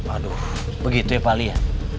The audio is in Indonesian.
aduh begitu ya pak ali ya